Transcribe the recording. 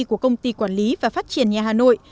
của công ty quản lý và phát triển nhà hà nội